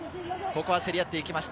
ここは競り合っていきました。